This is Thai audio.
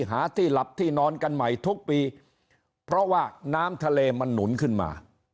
หาที่หลับที่นอนกันใหม่ทุกปีเพราะว่าน้ำทะเลมันหนุนขึ้นมา